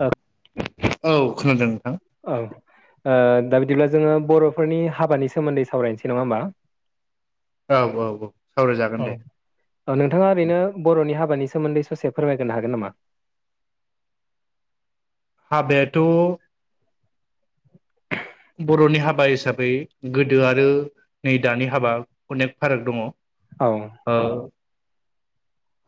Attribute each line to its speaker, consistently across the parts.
Speaker 1: औ
Speaker 2: औ खोनादों नोंथां
Speaker 1: औ ओ दा बिदिब्ला जोङो बर'फोरनि हाबानि सोमोन्दै सावरायनोसै नङा होमबा
Speaker 2: औ औ औ सावरायजागोन दे
Speaker 1: औ नोंथाङा ओरैनो बर'नि हाबानि सोमोन्दै ससे फोरमायग्रो हागोन नामा?
Speaker 2: हाबायाथ' बर'नि हाबा हाबा हिसाबै गोदो आरो नै दानि हाबा अनेक फाराग दङ औ
Speaker 1: औ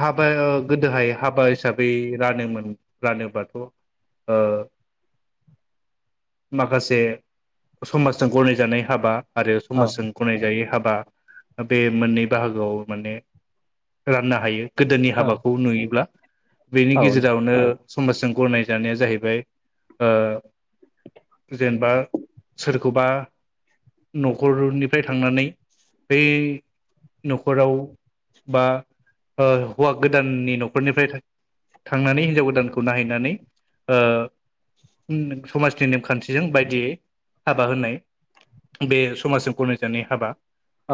Speaker 2: हाबाया गोदोहाय हाबा हिसाबै रानोमोन रानोबाथ' माखासे ओ समाजजों गनायजानाय हाबा आरो
Speaker 1: औ
Speaker 2: समाजजों गनायजायै हाबा बे मोननै बाहागोआव माने राननो हायो हायो गोदोनि
Speaker 1: औ
Speaker 2: हाबाखौ नुयोब्ला बेनि
Speaker 1: औ
Speaker 2: गेजेरावनो समाजजों गनाय जानाया जाहैबाय जेनेबा सोरखौबा न'खरनिफ्राय थांनानै बै न'खराव बा हौवा गोदाननि न'खरनिफ्राय थांनानै हिनजाव गोदानखौ नायहैनानै समाजनि नेमखान्थिजों बायदियै हाबा होनाय बे समाजजों गमजानाय हाबा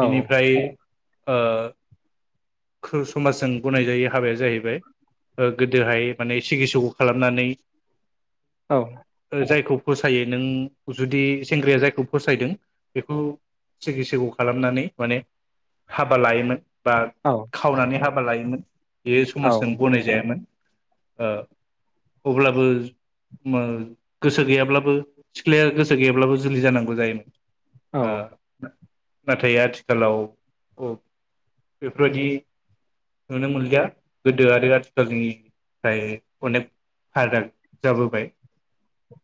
Speaker 1: औ
Speaker 2: [unintelligible] समाजजों गनायजायै हाबाया जाहैबाय गोदोहाय माने सिखित्सखौ खालामनानै
Speaker 1: औ
Speaker 2: जायखौ फसायो नों जुदि सेंग्राया जायखौ फसायदों बेखौ सिगि सिगि खालामनानै माने हाबा लायोमोन बा
Speaker 1: औ
Speaker 2: खावनानै हाबा लायोमोन बेयो समाजजों गनायजायामोन अब्लाबो गोसो गैयाब्लाबो सिख्लाया गोसो गैयाब्लाबो जुलि जानांगौ जायोमोन औ नाथाय आथिखालाव ओ बेफोरबायदि नुनो मोनलिया गोदो आरो आथिखालनिफ्राय अनेक फाराग जाबोबाय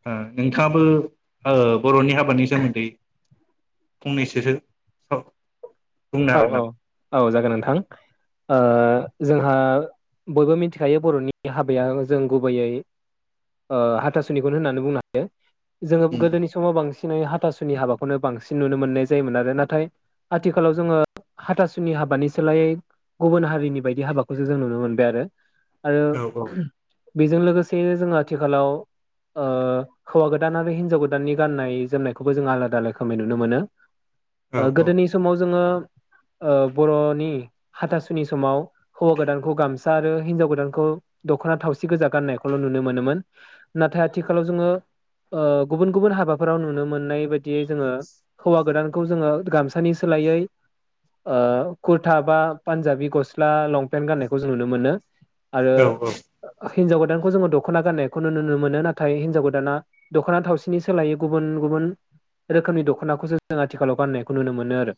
Speaker 2: ओ नोंथाङाबो ओ बर'नि हाबानि सोमोन्दै फंनैसोसो औ
Speaker 1: औ औ औ जागोन नोंथां ओ जोंहा बयबो मिथिखायो बर'नि हाबाया जों गुबैयै ओ हाथासुनिखौनो होननानै बुंनो हायो जोङो गोदोनि समाव बांसिन हाथासुनि हाबाखौनो बांसिन नुनो मोननाय जायोमोन आरो ना आथिखालाव जोङो हाथासुनि हाबानि सोलाय गुबुन हारिनि बायदि हाबाखौसो जों नुनो मोनबाय आरो
Speaker 2: औ औ
Speaker 1: बेजों लोगोसे जोङो आथिखालाव ओ हौवा गोदान आरो हिन्जाव गोदाननि गाननाय जोमनायखौबो जों आलादा रोखोमै नुनो मोनो
Speaker 2: औ
Speaker 1: ओ गोदोनि
Speaker 2: औ
Speaker 1: समाव जोङो ओ बर'नि हाथासुनि समाव हौवा गोदानखौ गामसा आरो हिनजाव गोदानखौ दख'ना थावसि गोजा गाननायखौल' नुनो मोनोमोन नाथाय आथिखालाव जोङो ओ गुबुन गुबुन हाबाफोराव नुनो मोननाय बायदियै जोङो हौवा गोदानखौ जोङो गामसानि सोलायै ओ कुरथा बा पान्जाबि गस्ला लंपेन्ट गाननायखौ जों नुनो मोनो आरो
Speaker 2: औ औ
Speaker 1: हिनजाव गोदानखौ जोङो दख'ना गाननायखौ नुनो मोनो नाथाय हिन्जाव गोदाना दख'ना थावसिनि सोलायै गुबुन गुबुन रोखोमनि दख'नाखौसो जों आथिखालाव गाननायखौ नुनो मोनो आरो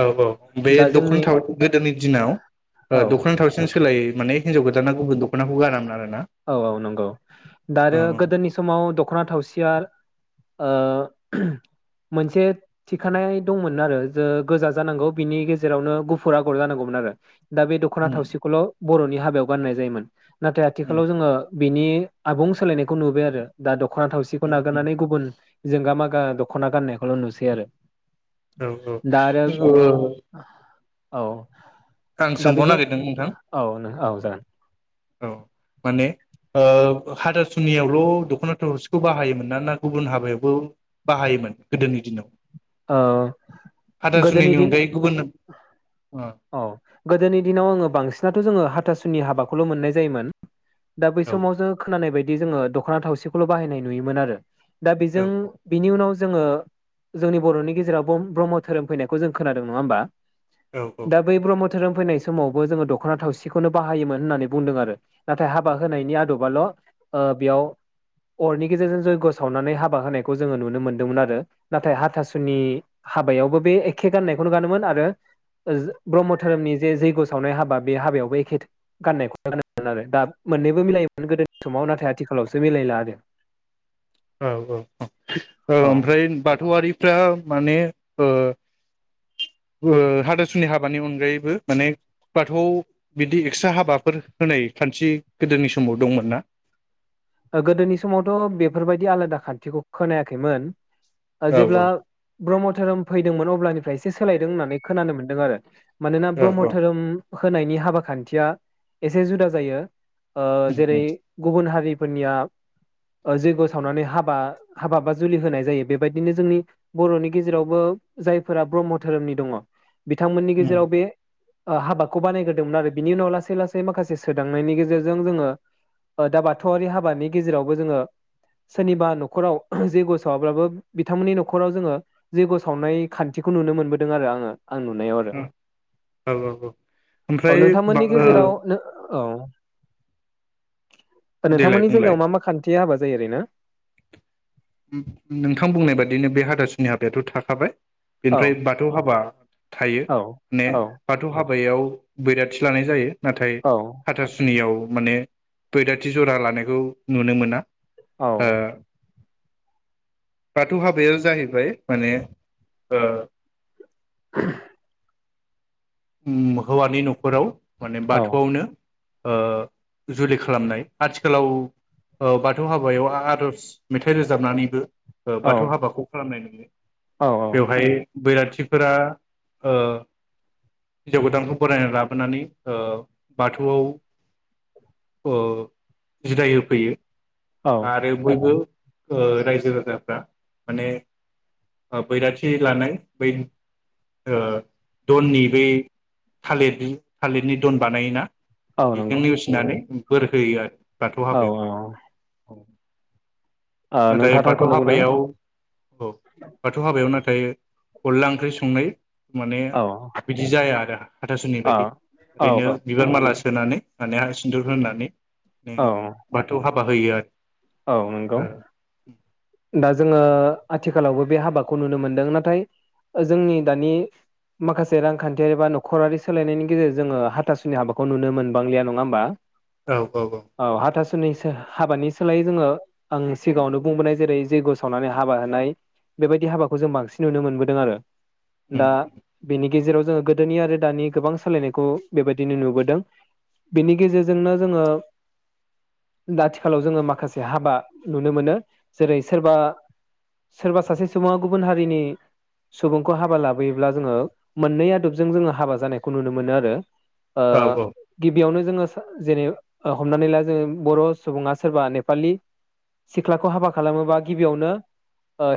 Speaker 2: औ औ बे
Speaker 1: दा
Speaker 2: दख'ना
Speaker 1: जोंनि
Speaker 2: थाव गोदोनि दिनाव ओ
Speaker 1: औ
Speaker 2: दख'ना थावसिन सोलायै माने हिनजाव गोदाना गुबुन दख'नाखौ गानामोन आरोना
Speaker 1: औ औ नंगौ दा
Speaker 2: औ
Speaker 1: आरो गोदोनि समाव दख'ना थावसिया ओ मोनसे थिखानाय दंमोन आरो जो गोजा जानांगौ बिनि गेजेरावनो गुफुर आगर जानांगौमोन आरो दा बे दख'ना
Speaker 2: उम
Speaker 1: थावसिखौल' बर'नि हाबायाव गाननाय जायोमोन नाथाय आथि
Speaker 2: उम
Speaker 1: खालाव जोङो बिनि आबुं सोलायनायखौ नुबाय आरो दा द खना थावसिखौ
Speaker 2: उम
Speaker 1: नागिरनानै गुबुन जोंगा मा गा दख'ना गाननायखौल' नुसै आरो
Speaker 2: औ
Speaker 1: दा आरो
Speaker 2: औ [unintelligible]
Speaker 1: औ
Speaker 2: आं
Speaker 1: दा
Speaker 2: सोंबावनो
Speaker 1: बेजों
Speaker 2: नागिरदों नोंथां
Speaker 1: औ जागोन
Speaker 2: औ माने ओ हाथासुनियावल' दख'ना थावसिखौ बाहायोमोन ना ना गुबुन हाबायावबो बाहायोमोन गोदोनि दिनाव
Speaker 1: ओ गोदोनि
Speaker 2: हाथासुनिनि
Speaker 1: दिन
Speaker 2: अनगायै गुबुन
Speaker 1: औ गोदोनि दिनाव आङो बांसिनाथ' जोङो हाथासुनि हाबाखौल' मोननाय जायोमोन दा बै
Speaker 2: औ
Speaker 1: समाव जों खोनानाय बाय दि जोङो दख'ना थावसिखौल' बाहायनाय नुयोमोन आरो दा बेजों बिनि उनाव जोङो जोंनि बर'नि गेराव ब्रह्म धोरोम फैनायखौ खोनादों नङा होमबा
Speaker 2: औ औ
Speaker 1: दा बै ब्रह्म धोरोम धोरोम फैनाय समावबो जोङो दख'ना थावसिखौनो बाहायोमोन होननानै बुंदों आरो नाथाय हाबा होनायनि आदबाल' बेयाव अरनि गेजेरजों जैयग्य' सावनानै हाबा होनायखौ जोङो नुनो मोनदोंमोन आरो नाथाय हाथासुनि हाबायावबो बे एखे गान्नायखौनो गानोमोन आरो ब्रह्म धोरोमनि जे जै्यग' सावनाय हाबा बे हाबायावबो एखे गाननायखौनो गानोमोन आरो दा मोननैबो मिलायोमोन गोदोनि समाव नाथाय आथिखालावसो मिलायला आरो
Speaker 2: औ औ औ औ ओमफ्राय बाद बाथौआरिफ्रा माने हाथासुनि हाबानि अनगायैबो माने बाथौआव बिदि एक्सट्रा हाबाफोर होनाय खान्थि गोदोनि समाव दंमोनना?
Speaker 1: गोदोनि समावथ' बेफोरबायदि आलादा खान्थिखौ खोनायाखैमोन
Speaker 2: औ
Speaker 1: जेब्ला ब्रह्म धोरोम फैदोंमोन अब्लानिफ्राय एसे सोलायदों होननानै खोनानो मोन्दों आरो मानोना
Speaker 2: औ
Speaker 1: ब्रह्म
Speaker 2: औ
Speaker 1: धोरोम होनायनि हाबा खान्थिया एसे जुदा जायो जेरै
Speaker 2: उम
Speaker 1: गुबुन हारि फोरनिया जैग्य' सावनानै हाबा हाबा बा जुलि होनाय जायो बेबायदिनो जोंनि बर'नि गेजेरावबो जायफोरा ब्रह्म धोरोमनि दङ बिथांमोननि
Speaker 2: उम
Speaker 1: गेजेराव बे हाबाखौ बानायग्रदोंमोन आरो बिनि उनाव लासै लासै माखासे सोदांनायनि गेजेरजों जोङो दा बाथौ बाथौआरि हाबानि गेजेरावबो जोङो सोरनिबा न'खराव जैग्य साववाबबो बिथांमोननि न'खराव जोङो जैग्य सावनाय खान्थिखौ नुनो मोनबोदों आरो आङो आं नुनायाव आरो
Speaker 2: औ औ औ
Speaker 1: औ
Speaker 2: ओमफ्राय
Speaker 1: नोंथांमोननि गेजेराव नो औ
Speaker 2: देलाय
Speaker 1: नोंथांमोननि
Speaker 2: बुंलाय
Speaker 1: जायायाव मा मा खानथि हाबा जायो आरो ना
Speaker 2: नोंथां बुंनाय बादिनो बे हाथासुनि हाबायाथ' थाखाबाय
Speaker 1: औ
Speaker 2: बेनिफ्राय बाथौ हाबा थायो
Speaker 1: औ
Speaker 2: ने
Speaker 1: औ
Speaker 2: बाथौ हाबा बैयाव बैराथि लानाय जायो नाथाय
Speaker 1: औ
Speaker 2: हाथासुनियाव माने बैराथि जरा लानायखौ नुनो मोना
Speaker 1: औ
Speaker 2: ओ बाथौ हाबाया जाहैबाय माने
Speaker 1: [inaudible]
Speaker 2: हौवानि न'खराव माने
Speaker 1: औ
Speaker 2: बाथौआवनो ओ जुलि खालामनाय आथिखालाव बाथौ हाबायाव आरज मेथाइ रोजाबनानैबो
Speaker 1: औ
Speaker 2: बाथौ हाबाखौ खालामनाय नुनो बे
Speaker 1: औ
Speaker 2: बेवहाय बैराथिफोरा हिनजाव गोदानखौ बरायनानै ओ लाबोनानै बाथौआव ओ जिराय होफैयो
Speaker 1: औ
Speaker 2: आरो बयबो रायजो राजाफ्रा माने बैराथि लानाय बै दननि बै थालिर थालिरनि दन बानायोना
Speaker 1: औ
Speaker 2: बेखौनो
Speaker 1: नंगौ
Speaker 2: नेवसिनानै बोर होयो आरो दाथ'
Speaker 1: औ औ
Speaker 2: हाबायाव औ
Speaker 1: ओ
Speaker 2: नाथाय
Speaker 1: नोंथाङा
Speaker 2: बाथौ
Speaker 1: थारखौनो बुंदों
Speaker 2: हाबायाव औ बाथौ हाबायाव नाथाय ओमफ्राय अनला ओंख्रि संनाय माने
Speaker 1: औ
Speaker 2: बिदि जाया आरो हाथासुनि बायदि
Speaker 1: औ
Speaker 2: ओरैनो बिबार माला सोनानै माने हा सिन्दुर होनानै
Speaker 1: औ
Speaker 2: बाथौ हाबा होयो आरो
Speaker 1: औ नंगौ दा जोङो आथिखालावबो बे हाबाखौ नुनो मोनदों नाथाय जोंनि दानि माखासे रांखान्थियारि बा न'खरारि सोलायनायनि गेजेरजों जोङो हाथासुनि हाबाखौ नुनो मोनबांलि नङा होनबा
Speaker 2: औ औ औ
Speaker 1: नि हाबानि सोलायै जोङो आं सिगाङावनो बुंबोनाय जेरै जैग्य सावनानै हाबा होनाय बेबायदि हाबाखौ जों बांसिन नुनो मोनबोदों आरो दा
Speaker 2: उम
Speaker 1: बेनि गेजेराव जोङो गोदोनि आरो दानि गोबां सोलायनायखौ बेबायदिनो नुबोदों बेनि गेजेरजोंनो जोङो आथिखालाव जोङो माखासे हाबा नुनो मोनो। जेरै सोरबा सोरबा सासे सुबुङा गुबुन हारिनि सुबुंखौ हाबा लाबोयोब्ला जोङो मोननै आदबजों जोङो हाबा जानायखौ नुनो मोनो आरो ओ
Speaker 2: औ औ
Speaker 1: गिबियावनो जोङो जेरै हमनानै ला जोङो बर' सुबुङा सोरबा नेपालि सिखलाखौ हाबा खालामोबा गिबियावनो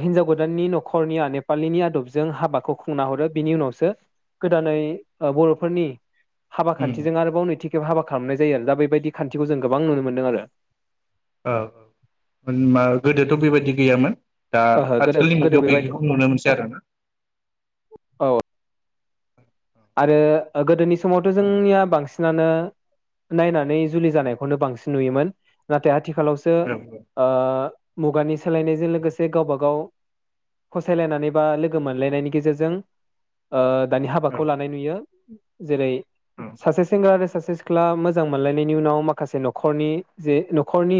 Speaker 1: हिनजाव गोदाननि न'खरनिया नेपालिनि आदबजों हाबाखौ खुंना हरो बिनि उनावसो गोदानै ओ बर'फोरनि हाबा
Speaker 2: उम
Speaker 1: खान्थिजों आरोबाव नैथि खेब हाबा खालामनाय जायो आरो दा बेबायदि खान्थिखौ जों गोबां नुनो मोनदों आरो
Speaker 2: औ उम मा गोदोथ' बेबायदि गैयामोन दा
Speaker 1: ओहो गोदो
Speaker 2: आथिखालनि
Speaker 1: गोदो
Speaker 2: मुगायाव
Speaker 1: बेबायदि
Speaker 2: बेखौ नुनो मोनसै आरोना
Speaker 1: औ आरो गोदोनि समावथ'
Speaker 2: औ
Speaker 1: जोंनिया बांसिन नानो नायनानै जुलि जानायखौनो बांसिन नुयोमोन नाथाय आथिखालावसो ओ मुगानि सोलायनायजों लोगोसे गावबा गाव फसायलायनानै बा लोगो मोनलायनायनि गेजेरजों ओ दानि
Speaker 2: औ
Speaker 1: खौ लानाय नुयो। जेरै
Speaker 2: औ
Speaker 1: सासे सेंग्रा आरो सासे सिखला मोजां मोनलायनायनि उनाव माखासे न'खरनि जे न'खरनि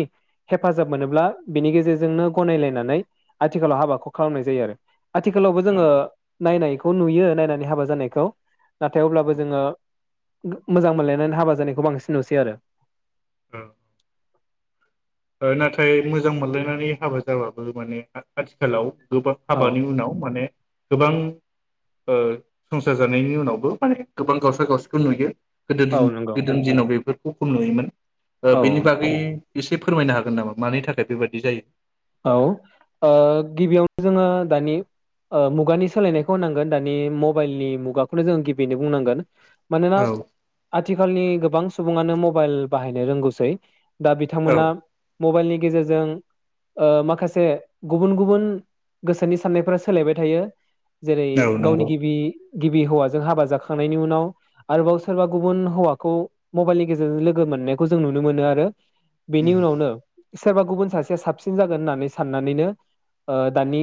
Speaker 1: हेफाजाब मोनोब्ला बिनि गेजेरजोंनो गनायलायनानै आथिखालाव हाबाखौ खालामनाय जायो आरो आथिखालावबो
Speaker 2: औ
Speaker 1: जोङो नायनाय खौ नुयो नायनानै हाबा जानायखौ नाथाय अब्लाबो जोङो मोजां मोनलायनानै हाबा जानायखौ बांसिन नुसै आरो
Speaker 2: औ ओ नाथाय मोजां मोनलायनानै हाबा जाबाबो माने आथिखालाव गोबाब
Speaker 1: औ
Speaker 2: हाबानि उनाव माने गोबां ओ संसार जानायनि उनावबो माने गोबां गावसारा गावस्रा नुयो गोदो दि
Speaker 1: औ नंगौ
Speaker 2: गोदोनि दिनाव बेफोर [inaudible] नुयोमोन
Speaker 1: औ
Speaker 2: बेनि बागै एसे फोरमायनो हागोन नामा मानि थाखाय बेबायदि जायो
Speaker 1: औ ओ गिबियावनो जोङो दानि ओ मुगानि सोलायनायखौ होनांगोन दानि मबाइलनि मुगाखौनो जोङो गिबिनो बुंनांगोन मानेना
Speaker 2: औ
Speaker 1: आ थिखालनि गोबां सुबुङानो मबाइल बाहायनो रोंगौसै दा
Speaker 2: औ
Speaker 1: बिथांमोना मबाइलनि गेजेरजों ओ माखासे गुबुन गुबुन गोसोनि साननायफोरा सोलायबाय थायो जेरै
Speaker 2: औ
Speaker 1: गावनि
Speaker 2: नंगौ
Speaker 1: गिबि गिबि हौवाजों हाबा जाखांनायनि उनाव आरोबाव सोरबा गुबुन हौवाखौ मबाइलनि गेजेरजों लोगो मोननायखौ जों नुनो मोनो आरो बेनि
Speaker 2: उम
Speaker 1: उनावनो सोरबा गुबुन सासेया साबसिन सिन जागोननानै साननानैनो दानि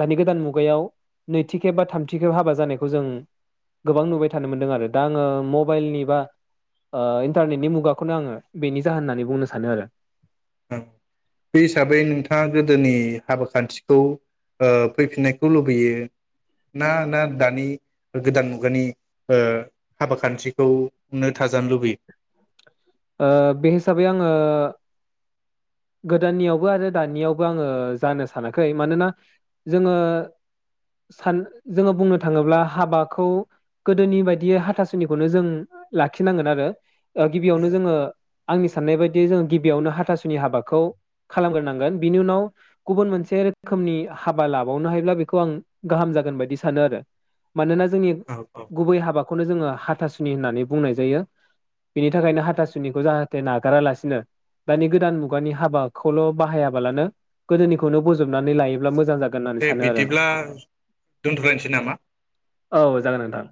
Speaker 1: दानि गोदान मुगायाव नैथि खेब बा थामथि खेब हाबा जानायखौ जों गोबां नुबाय थानो मोनदों आरो दा आङो मबाइलनि बा इन्टारनेटनि मुगाखौनो आङो बेनि जाहोन होननानै बुंनो सानो आरो
Speaker 2: बे हिसाबै नोंथाङा गोदोनि हाबा खान्थिखौ फैफिननायखौ लुबैयो ना ना दानि गोदान मुगानि हाबा खान्थिखौनो थाजानो लुबैयो।
Speaker 1: बे हिसाबै आङो गोदाननियावबो आरो दानियावबो आङो जानो सानाखै मानोना जोङो सान जोङो बुंनो थाङोब्ला हाबाखौ गोदोनि बायदि हाथासुनिखौनो जों लाखिनांगोन आरो गिबियावनो जोङो आंनि साननाय बायदि जों गिबियावनो हाथासुनि हाबाखौ खौ खालामग्रोनांगोन बिनि उनाव गुबुन मोनसे रोखोमनि हाबा लाबावनो हायोब्ला बेखौ आं गाहाम जागोन बायदि सानो आरो मानोना जोंनि
Speaker 2: औ औ
Speaker 1: गुबै हाबाखौ खौनो जोङो हाथासुनि होननानै बुंनाय जायो बेनि थाखायनो हाथासुनिखौ जाहाथे नागारालासिनो दानि गोदान मु मुगानि हाबाखौल' बाहायाबालानो गोदोनिखौनो बजबनानै लायोब्ला मोजां जागोन होननानै
Speaker 2: दे
Speaker 1: सानो आरो
Speaker 2: बिदिब्ला दोनथ'लनोसै नामा
Speaker 1: औ जागोन नोंथां